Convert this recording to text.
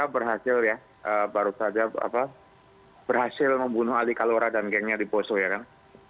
berhasil ya baru saja berhasil membunuh ali kalora dan gengnya di poso ya kan